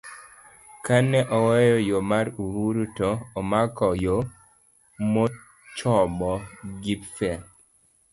kane oweyo yo mar Uhuru to omako yo mochomo Gipfel,